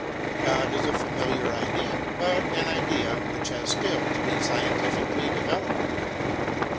God is a familiar idea, but an idea which has still to be scientifically developed.